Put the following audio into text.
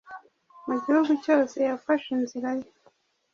Mu gihugu cyose Yafashe inzira ye,